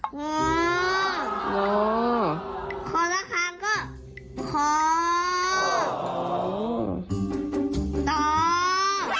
สมัติข่าวเด็ก